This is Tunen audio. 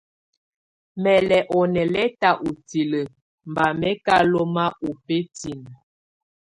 Mɛ́ lɛ́ ú nɛlɛtá ú tilǝ́ bá mɛ́ ká lɔ́má ú bǝ́tinǝ́.